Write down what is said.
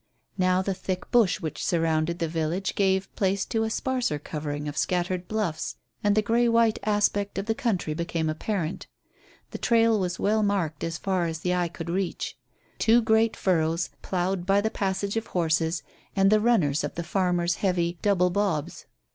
Now the thick bush, which surrounded the village, gave place to a sparser covering of scattered bluffs, and the grey white aspect of the country became apparent. The trail was well marked as far as the eye could reach two great furrows ploughed by the passage of horses and the runners of the farmers' heavy "double bobs."